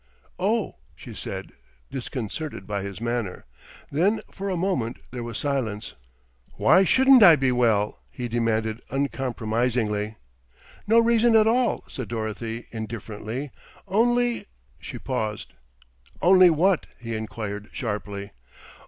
"Oh!" she said, disconcerted by his manner. Then for a moment there was silence. "Why shouldn't I be well?" he demanded uncompromisingly. "No reason at all," said Dorothy indifferently, "only " She paused. "Only what?" he enquired sharply.